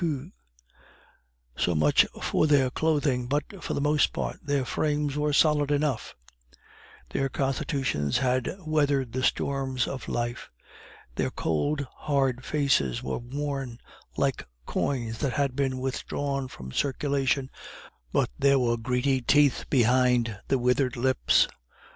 So much for their clothing; but, for the most part, their frames were solid enough; their constitutions had weathered the storms of life; their cold, hard faces were worn like coins that have been withdrawn from circulation, but there were greedy teeth behind the withered lips.